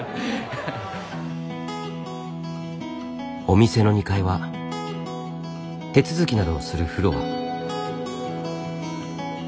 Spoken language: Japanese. お店の２階は手続きなどをするフロア。